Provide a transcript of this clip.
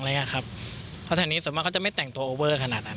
เพราะแถวนี้ส่วนมากเขาจะไม่แต่งตัวโอเวอร์ขนาดนั้น